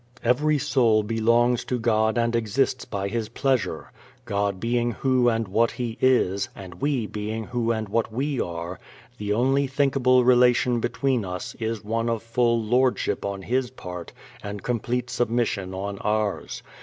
Every soul belongs to God and exists by His pleasure. God being Who and What He is, and we being who and what we are, the only thinkable relation between us is one of full lordship on His part and complete submission on ours.